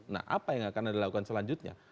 nah apa yang akan anda lakukan selanjutnya